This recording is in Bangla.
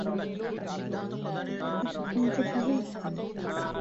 তোমাদের কফি খাওয়াতে পারি?